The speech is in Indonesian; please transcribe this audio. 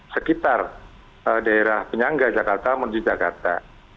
sekitar daerah penyangga jakarta menuju jakarta